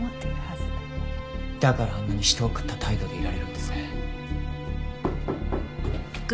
だからあんなに人を食った態度でいられるんですね。